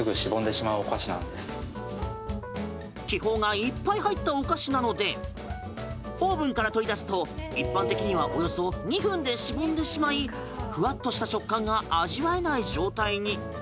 気泡がいっぱい入ったお菓子なのでオーブンから取り出すと一般的にはおよそ２分でしぼんでしまいふわっとした食感が味わえない状態に。